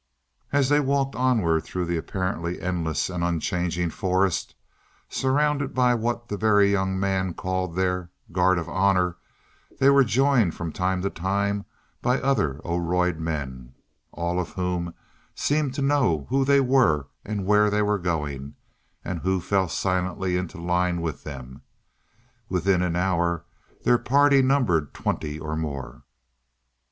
As they walked onward through the apparently endless and unchanging forest, surrounded by what the Very Young Man called their "guard of honor," they were joined from time to time by other Oroid men, all of whom seemed to know who they were and where they were going, and who fell silently into line with them. Within an hour their party numbered twenty or more.